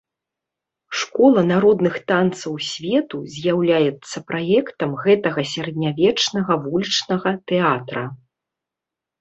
Школа народных танцаў свету з'яўляецца праектам гэтага сярэднявечнага вулічнага тэатра.